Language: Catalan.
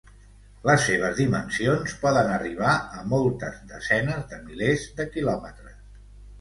Les seves dimensions poden arribar a moltes desenes de milers de quilòmetres.